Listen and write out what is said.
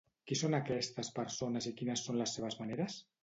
Qui són aquestes persones i quines són les seves maneres?